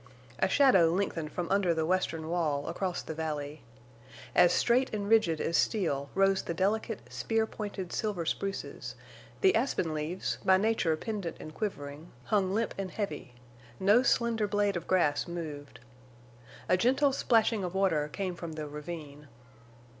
A shadow lengthened from under the western wall across the valley. As straight and rigid as steel rose the delicate spear pointed silver spruces; the aspen leaves, by nature pendant and quivering, hung limp and heavy; no slender blade of grass moved. A gentle splashing of water came from the ravine.